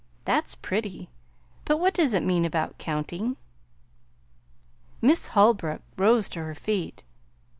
"That's pretty; but what does it mean about 'counting'?" Miss Holbrook rose to her feet.